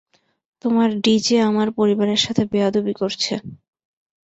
তোমার ডিজে আমার পরিবারের সাথে বেয়াদবি করছে।